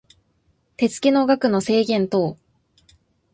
手付の額の制限等